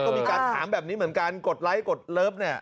ก็มีการถามแบบนี้เหมือนกันกดไลค์กดเลิฟเนี่ย